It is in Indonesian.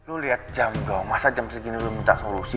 lo liat jam gaum masa jam segini belum minta solusi